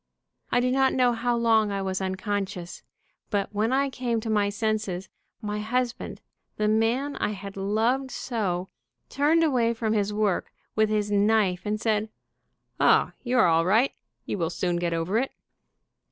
I do not know how long I was unconscious, but when I came to my senses my husband, the man A murderous devil. I had loved so, turned around from his work with his knife and said, 'O, you are all right. You will soon get over it.'